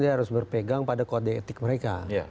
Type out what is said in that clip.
dia harus berpegang pada kode etik mereka